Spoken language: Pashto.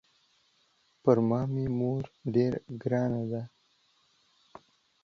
پر ما مې مور ډېره ګرانه ده.